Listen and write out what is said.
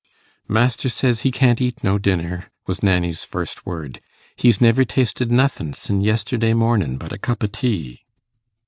'Master says he can't eat no dinner,' was Nanny's first word. 'He's never tasted nothin' sin' yesterday mornin', but a cup o' tea.